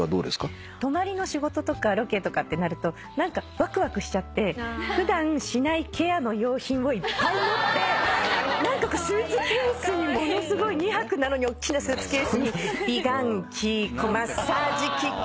泊まりの仕事とかロケとかってなると何かわくわくしちゃって普段しないケアの用品をいっぱい持ってスーツケースにものすごい２泊なのに大きなスーツケースに美顔器マッサージ機器